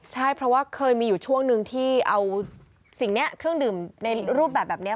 ใช่เพราะว่าเคยมีอยู่ช่วงนึงที่เอาสิ่งนี้เครื่องดื่มในรูปแบบแบบนี้